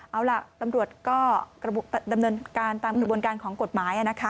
เอาล่ะตำรวจก็ดำเนินการตามกระบวนการของกฎหมาย